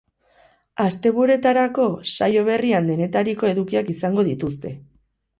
Asteburuetarako saio berrian denetariko edukiak izango dituzte.